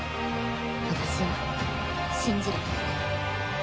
私を信じろ。